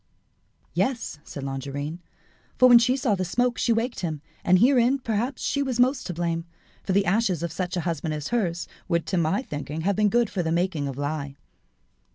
"Yes," said Longarine; "for when she saw the smoke she waked him, and herein, perhaps, was she most to blame; for the ashes of such a husband as hers would to my thinking have been good for the making of lye."